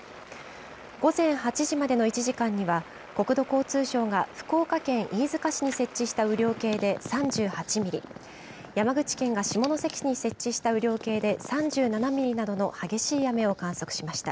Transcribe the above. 午前８時までの１時間には国土交通省が福岡県飯塚市に設置した雨量計で３８ミリ、山口県が下関市に設置した雨量計で３７ミリなどの激しい雨を観測しました。